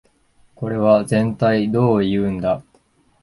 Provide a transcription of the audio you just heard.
これはぜんたいどういうんだ